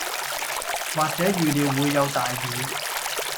或者預料會有大雨